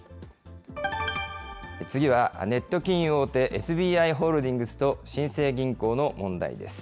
次は、ネット金融大手、ＳＢＩホールディングスと新生銀行の問題です。